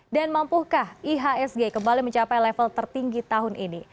dan mampukah ihsg kembali mencapai level tertinggi tahun ini